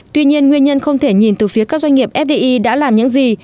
tuy nhiên nguyên nhân không thể nhìn từ phía các doanh nghiệp fdi đã làm những gì